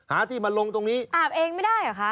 อาบเองไม่ได้หรอคะ